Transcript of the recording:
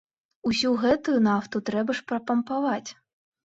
Усю гэтую нафту трэба ж прапампаваць!